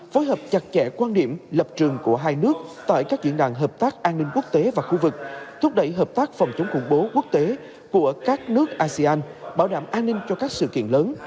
phối hợp chặt chẽ quan điểm lập trường của hai nước tại các diễn đàn hợp tác an ninh quốc tế và khu vực thúc đẩy hợp tác phòng chống khủng bố quốc tế của các nước asean bảo đảm an ninh cho các sự kiện lớn